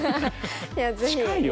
いやぜひ。